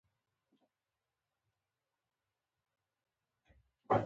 په ځینو ویب سایټونو کې یې خپور کړ.